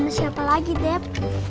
sama siapa lagi deb